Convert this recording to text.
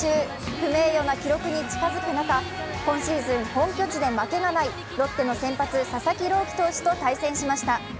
不名誉な記録に近づく中、今シーズン本拠地で負けがないロッテの先発・佐々木朗希投手と対戦しました。